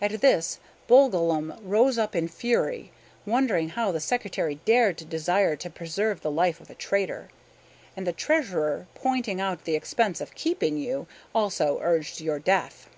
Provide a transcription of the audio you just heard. At this Bolgolam rose up in fury, wondering how the secretary dared desire to preserve the life of a traitor; and the treasurer, pointing out the expense of keeping you, also urged your death.